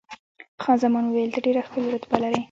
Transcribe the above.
خان زمان وویل، ته ډېره ښکلې رتبه لرې.